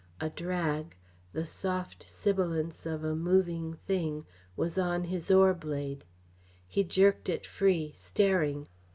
A drag, the soft sibilance of a moving thing, was on his oar blade. He jerked it free, staring.